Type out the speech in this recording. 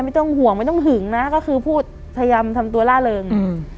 ไม่ต้องห่วงไม่ต้องหึงนะก็คือพูดพยายามทำตัวล่าเริงอืม